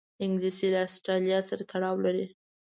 انګلیسي له آسټرالیا سره تړاو لري